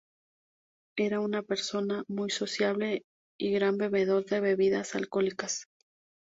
Era una persona muy sociable y gran bebedor de bebidas alcohólicas.